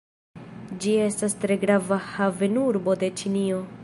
Ĝi estas tre grava havenurbo de Ĉinio.